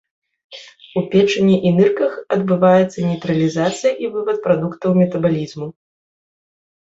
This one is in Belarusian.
У печані і нырках адбываецца нейтралізацыя і вывад прадуктаў метабалізму.